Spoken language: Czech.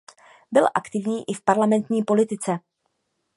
Byl aktivní i v parlamentní politice.